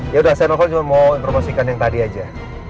yaudah saya nelfon cuma mau informasikan yang tadi aja